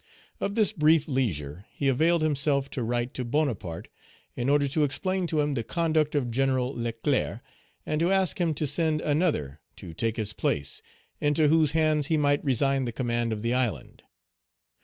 Of this brief leisure he availed himself to write to Bonaparte in order to explain to him the conduct of General Leclerc and to ask him to send another to take his place, into whose hands he might resign the command of the island.